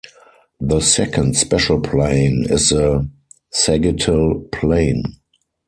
The second special plane is the "sagittal plane".